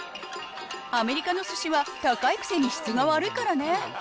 アメリカのすしは高いくせに質が悪いからね。